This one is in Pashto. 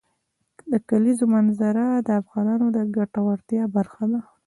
د کلیزو منظره د افغانانو د ګټورتیا برخه ده.